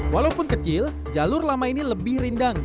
walaupun kecil jalur lama ini lebih rindang